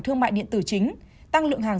thương mại điện tử chính tăng lượng hàng